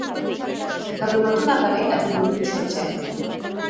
তবে নতুন আকারে এবং নতুন সজ্জায়।